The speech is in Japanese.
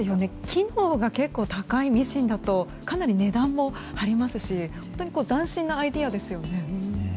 機能が結構高いミシンだとかなり値段も張りますし本当に斬新なアイデアですよね。